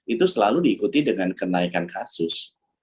itu selalu diikuti dengan kenaikan kasus